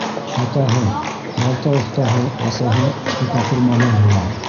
Атаһы — балта оҫтаһы, әсәһе штукатур-маляр була.